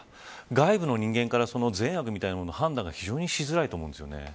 外部の人間から善悪の判断が非常にしづらいと思うんですよね。